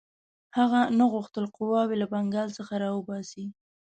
هغه نه غوښتل قواوې له بنګال څخه را وباسي.